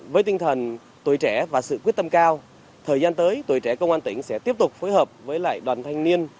với tinh thần tuổi trẻ và sự quyết tâm cao thời gian tới tuổi trẻ công an tỉnh sẽ tiếp tục phối hợp với lại đoàn thanh niên